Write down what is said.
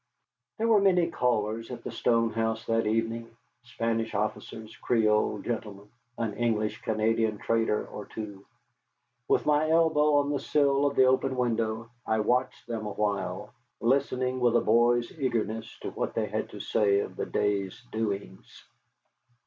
There were many callers at the stone house that evening, Spanish officers, Creole gentlemen, an English Canadian trader or two. With my elbow on the sill of the open window I watched them awhile, listening with a boy's eagerness to what they had to say of the day's doings.